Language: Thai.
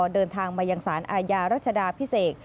เดินทางมายังสารอาญารัชดาพิเศษ